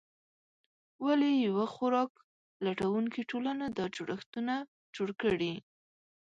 ولې یوه خوراک لټونکې ټولنه دا جوړښتونه جوړ کړي؟